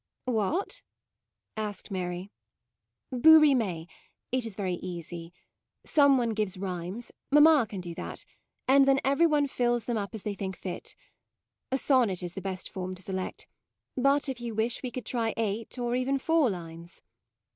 What ?" asked Mary. MAUDE 25 u Bouts rimes : it is very easy. Some one gives rhymes, mamma can do that, and then every one fills them up as they think fit. A sonnet is the best form to select; but, if you wish, we could try eight, or even four lines."